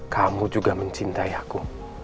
kamu juga mencintai aku